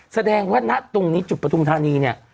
แสดงว่าณตรงนี้จุดประทุมธานีเนี่ย